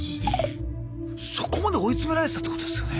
そこまで追い詰められてたってことですよね？